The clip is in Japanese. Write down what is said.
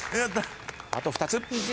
あと２つ。